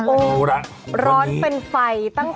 โอ้โหละร้อนเป็นไฟตั้งแต่